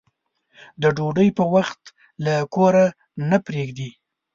د ډوډۍ په وخت له کوره نه پرېږدي.